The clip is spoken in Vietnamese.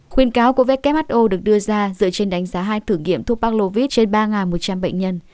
khuyên cáo của who được đưa ra dựa trên đánh giá hai thử nghiệm thuốc parklovis trên ba một trăm linh bệnh nhân